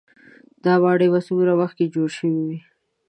دا ماڼۍ په څومره وخت کې جوړې شوې وي.